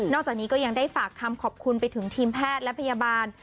จากนี้ก็ยังได้ฝากคำขอบคุณไปถึงทีมแพทย์และพยาบาล